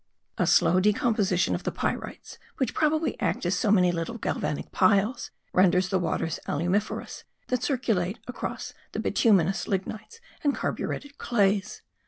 A slow decomposition of the pyrites, which probably act as so many little galvanic piles, renders the waters alumiferous, that circulate across the bituminous lignites and carburetted clays.